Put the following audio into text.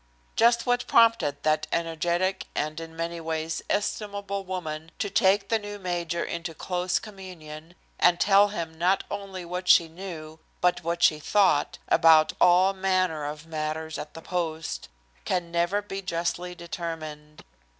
Just what prompted that energetic and, in many ways, estimable woman, to take the new major into close communion, and tell him not only what she knew, but what she thought, about all manner of matters at the post, can never be justly determined.